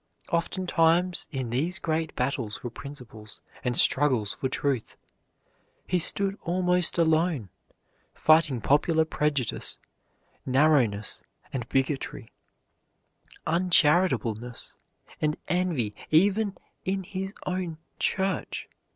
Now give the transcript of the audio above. Oftentimes in these great battles for principle and struggles for truth, he stood almost alone fighting popular prejudice, narrowness, and bigotry, uncharitableness and envy even in his own church.